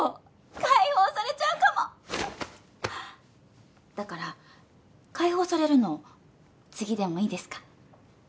解放されちゃうかもだから解放されるの次でもいいですか？